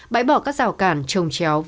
bãi bỏ các rào cản trồng chéo